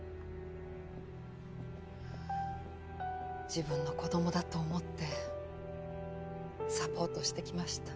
自分の子供だと思ってサポートしてきました。